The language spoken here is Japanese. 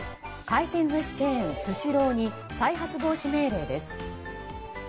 回転寿司チェーンスシローに再発防止命令です。